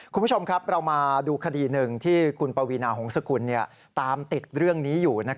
คุณผู้ชมครับเรามาดูคดีหนึ่งที่คุณปวีนาหงษกุลตามติดเรื่องนี้อยู่